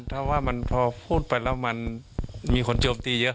เพราะว่าพอพูดไปแล้วมันมีคนเจอบตีเยอะ